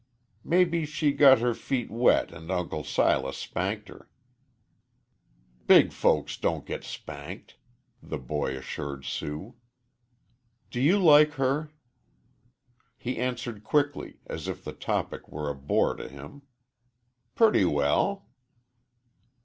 "Maybe she got her feet wet and Uncle Silas Spanked her." "Big folks don't get spanked," the boy assured Sue. "Do you like her?" He answered quickly, as if the topic were a bore to him, "Purty well."